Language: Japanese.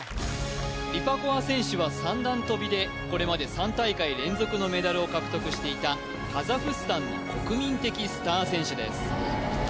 リパコワ選手は三段跳びでこれまで３大会連続のメダルを獲得していたカザフスタンの国民的スター選手です